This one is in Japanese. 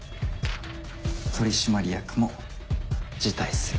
取締役も辞退する。